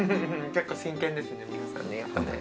結構真剣ですね皆さんね。